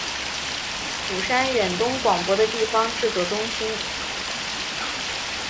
釜山远东广播的地方制作中心。